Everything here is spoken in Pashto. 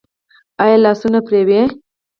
ایا لاسونه مینځي؟